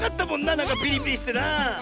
なんかピリピリしてなあ。